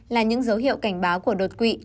là những dấu hiệu cảnh báo của đột quỵ